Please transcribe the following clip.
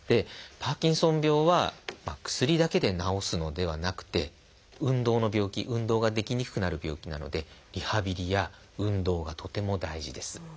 パーキンソン病は薬だけで治すのではなくて運動の病気運動ができにくくなる病気なのでリハビリや運動がとても大事です。